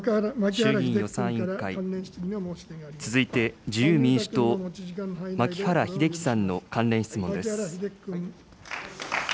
衆議院予算委員会、続いて自由民主党、牧原秀樹さんの関連質問です。